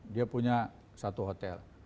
dia punya satu hotel